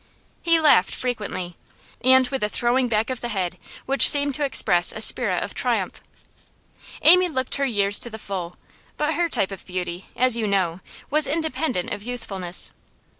He laughed frequently, and with a throwing back of the head which seemed to express a spirit of triumph. Amy looked her years to the full, but her type of beauty, as you know, was independent of youthfulness.